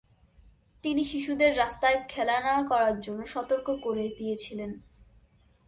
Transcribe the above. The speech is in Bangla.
তিনি শিশুদের রাস্তায় খেলা না করার জন্য সতর্ক করে দিয়েছিলেন।